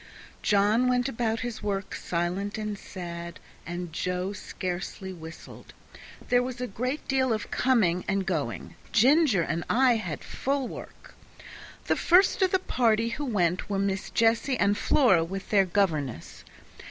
John went about his work silent and sad, and Joe scarcely whistled. There was a great deal of coming and going; Ginger and I had full work. The first of the party who went were Miss Jessie and Flora, with their governess.